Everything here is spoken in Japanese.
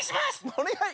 おねがい！